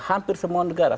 hampir semua negara